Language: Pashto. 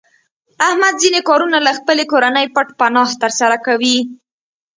احمد ځنې کارونه له خپلې کورنۍ پټ پناه تر سره کوي.